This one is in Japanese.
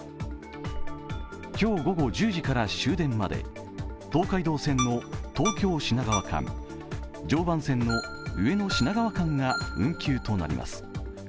今日午後１０時から終電まで東海道線の東京−品川間、常磐線の上野−品川間が運休となります。